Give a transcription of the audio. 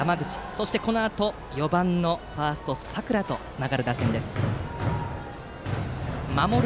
そしてこのあと４番のファースト佐倉とつながる打線です。